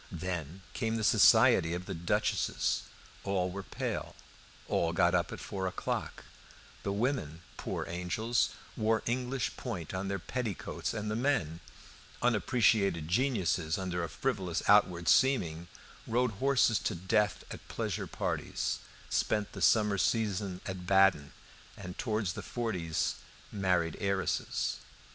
Then came the society of the duchesses; all were pale; all got up at four o'clock; the women, poor angels, wore English point on their petticoats; and the men, unappreciated geniuses under a frivolous outward seeming, rode horses to death at pleasure parties, spent the summer season at Baden, and towards the forties married heiresses.